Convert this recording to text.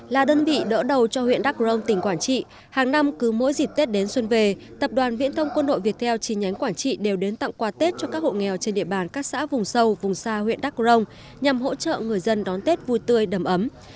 là đơn vị đỡ đầu cho huyện đắk rông tỉnh quảng trị hàng năm cứ mỗi dịp tết đến xuân về tập đoàn viễn thông quân đội việt theo chi nhánh quảng trị đều đến tặng quà tết cho các hộ nghèo trên địa bàn các xã vùng sâu vùng xa huyện đắk rông nhằm hỗ trợ người dân đón tết vui tươi đầm ấm